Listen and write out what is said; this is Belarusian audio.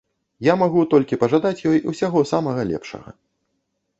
Я магу толькі пажадаць ёй усяго самага лепшага.